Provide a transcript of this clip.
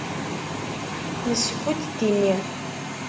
Yesseww udeddi-nni.